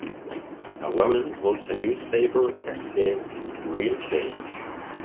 A woman holds a newspaper that says Real change